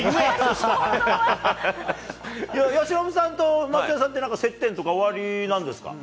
由伸さんと松也さんって接点そうなんです。